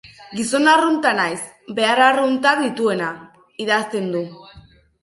Gizon arrunta naiz, behar arruntak dituena, idazten du.